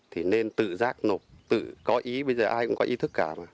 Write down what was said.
thì nên tự rác nộp tự có ý bây giờ ai cũng có ý thức cả mà